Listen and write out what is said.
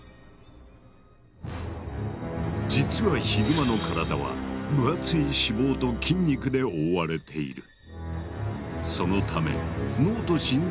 実はヒグマの体は分厚い脂肪と筋肉で覆われている。